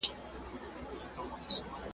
زما په غزل کي لکه شمع هره شپه لګېږې .